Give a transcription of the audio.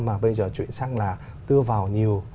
mà bây giờ chuyển sang là đưa vào nhiều